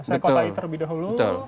saya kotain terlebih dahulu